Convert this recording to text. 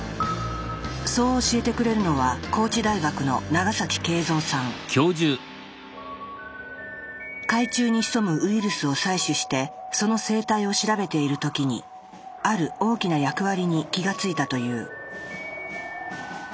そう教えてくれるのは海中に潜むウイルスを採取してその生態を調べている時にある大きな役割に気が付いたという。